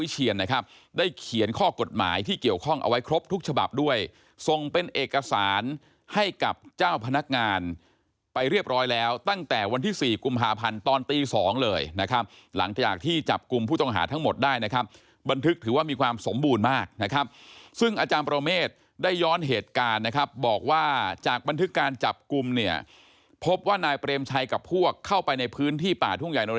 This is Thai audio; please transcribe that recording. เจ้าพนักงานไปเรียบร้อยแล้วตั้งแต่วันที่สี่กลุ่มหาพันธุ์ตอนตีสองเลยนะครับหลังจากที่จับกลุ่มผู้ต้องหาทั้งหมดได้นะครับบันทึกถือว่ามีความสมบูรณ์มากนะครับซึ่งอาจารย์ประโมเมฆได้ย้อนเหตุการณ์นะครับบอกว่าจากบันทึกการจับกลุ่มเนี่ยพบว่านายเปรมชัยกับพวกเข้าไปในพื้นที่ป่าทุ่งใหญ่